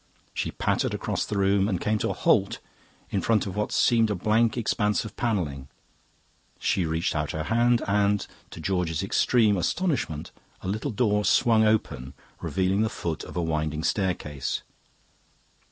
She pattered across the room and came to a halt in front of what seemed a blank expense of panelling. She reached out her hand and, to George's extreme astonishment, a little door swung open, revealing the foot of a winding staircase.